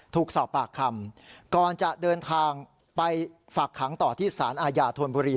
ถูกสอบปากคำก่อนจะเดินทางไปฝากขังต่อที่สารอาญาธนบุรี